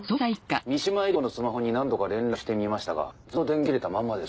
三島絵里子のスマホに何度か連絡してみましたがずっと電源も切れたまんまです。